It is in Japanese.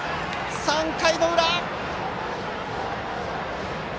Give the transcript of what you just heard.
３回の裏！